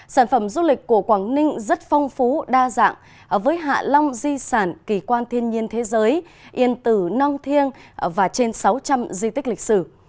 sản phẩm du lịch của quảng ninh rất phong phú đa dạng với hạ long di sản kỳ quan thiên nhiên thế giới yên tử nong thiêng và trên sáu trăm linh di tích lịch sử